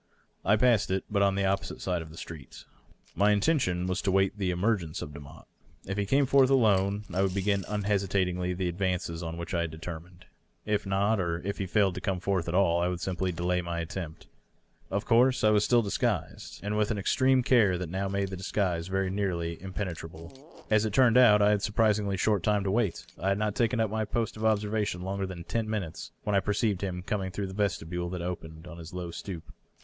I passed it, but on the opposite side of the street. My intention was to wait the emei^enoe of Demotte. If he came forth alone, I would b^in unhesitatingly the advances on which I had determined. If not, or if he failed to come forth at all, I would simply delay my attempt. Of course I was still disguised, and with an extreme care that now made the disguise very nearly impene trable. As it turned out, I had a surprisingly short time to wait. I had not taken up my post of observation longer than ten minutes when I perceived him coming through the vestibule that opened on his low stoop.